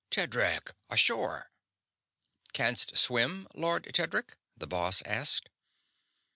"Tedric, ashore!" "Canst swim, Lord Tedric?" the boss asked.